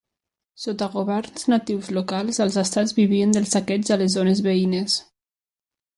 Sota governs natius locals els estats vivien del saqueig a les zones veïnes.